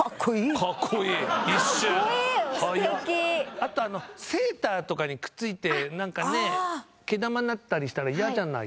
あとあのセーターとかにくっついて何かね毛玉なったりしたら嫌じゃないですか。